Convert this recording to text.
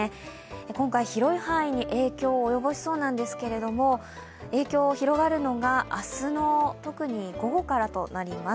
今回、広い範囲に影響を及ぼしそうなんですけれども、影響が広がるのが、明日の特に午後からになります。